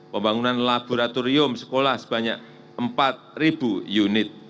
pembangunan laboratorium sekolah sebanyak empat unit